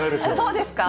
そうですか。